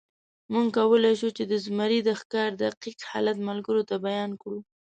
موږ کولی شو، چې د زمري د ښکار دقیق حالت ملګرو ته بیان کړو.